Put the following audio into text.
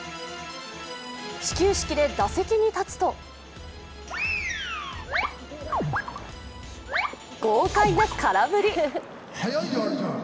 始球式で打席に立つと豪快な空振り。